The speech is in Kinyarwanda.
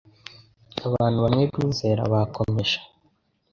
Abantu bamwe bizera bakomeje